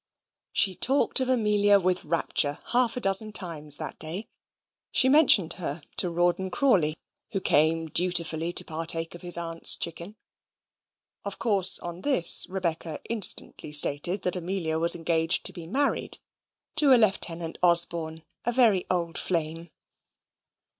She talked of Amelia with rapture half a dozen times that day. She mentioned her to Rawdon Crawley, who came dutifully to partake of his aunt's chicken. Of course, on this Rebecca instantly stated that Amelia was engaged to be married to a Lieutenant Osborne a very old flame.